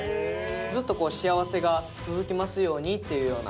ずっとこう幸せが続きますようにというような。